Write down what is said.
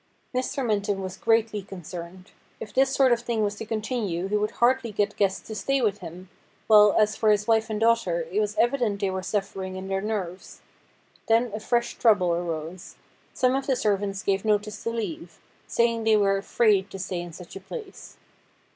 Mr. Minton was greatly concerned. If this sort of thing was to continue he would hardly get guests to stay with him, while, as for his wife and daughter, it was evident they were suffering in their nerves. Then a fresh trouble arose ; some of the servants gave notice to leave, saying they were afraid to stay in such a place.